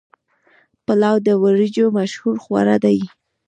پلاو د وریجو مشهور خواړه دي.